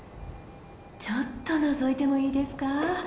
ちょっとのぞいてもいいですか？